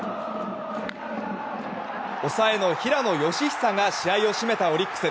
抑えの平野佳寿が試合を締めたオリックス。